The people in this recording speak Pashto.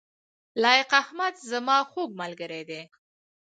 لائق احمد زما خوږ ملګری دی